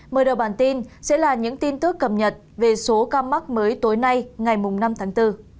mở đầu bản tin sẽ là những tin tức cập nhật về số ca mắc mới tối nay ngày năm tháng bốn